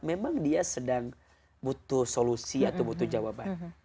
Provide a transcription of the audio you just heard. memang dia sedang butuh solusi atau butuh jawaban